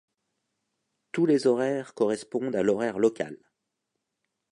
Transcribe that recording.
Tous les horaires correspondent à l'horaire local.